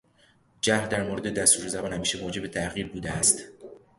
جهل در مورد دستور زبان همیشه موجب تحقیر بوده است.